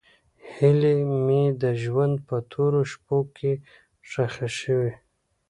هیلې مې د ژوند په تورو شپو کې ښخې شوې.